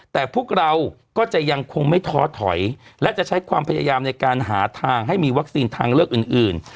แต่พวกเราก็จะยังคงไม่ท้อถอยและจะใช้ความพยายามในการหาทางให้มีวัคซีนทางเลือกอื่น